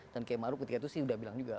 dan kemaru ketika itu sudah bilang juga